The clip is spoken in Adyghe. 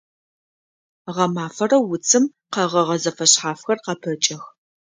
Гъэмафэрэ уцым къэгъэгъэ зэфэшъхьафхэр къапэкӏэх.